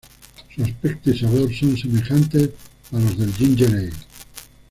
Su aspecto y sabor son semejantes a los del ginger ale.